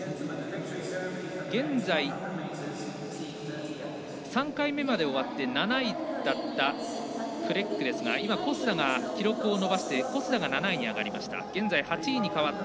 現在、３回目まで終わって７位だったフレックですが記録を伸ばして小須田が７位に上がりました。